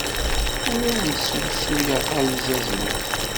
Ur awen-d-srusuyeɣ alzaz-nwen.